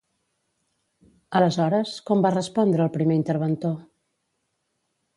Aleshores, com va respondre el primer interventor?